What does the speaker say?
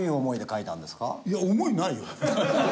いや思いないよ。